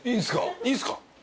いいんすか？